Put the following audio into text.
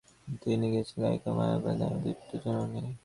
তিনি ছিলেন গাইদাক্ব ও মাস্আব নামে দুই পুত্রের জননী।